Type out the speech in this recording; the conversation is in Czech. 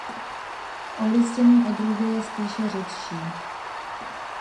Olistění odrůdy je spíše řidší.